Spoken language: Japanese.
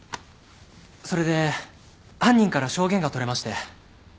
それで犯人から証言が取れまして。